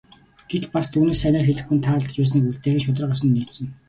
Гэтэл бас түүнийг сайнаар хэлэх хүн тааралдаж байсныг үлдээх нь шударга ёсонд нийцнэ.